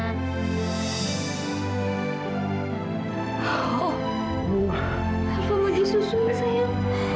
kava mau disusui sayang